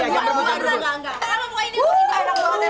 wah jengol rame